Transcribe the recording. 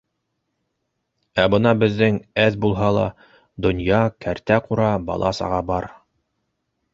Ә бына беҙҙең, аҙ булһа ла, донъя, кәртә-ҡура, бала-саға бар.